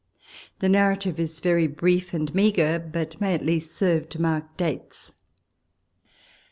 The narrative is very brief and meagre, but may at least serve to mark dates.